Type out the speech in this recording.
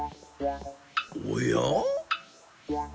おや？